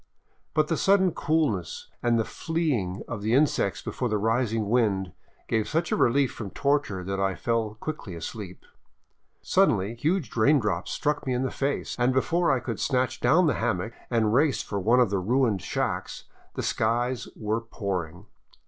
But the sudden coolness and the fleeing of the insects before the rising wind gave such a relief from torture that I fell quickly asleep. Suddenly huge raindrops struck me in the face, and before I could snatch down the hammock and race for one of the ruined shacks, the skies were pouring.